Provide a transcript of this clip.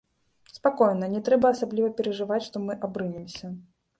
Спакойна, не трэба асабліва перажываць, што мы абрынемся.